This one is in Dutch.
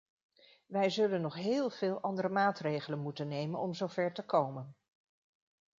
Wij zullen nog heel veel andere maatregelen moeten nemen om zover te komen.